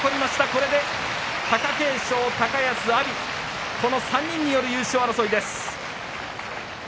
これで貴景勝、高安、阿炎この３人による優勝争いです。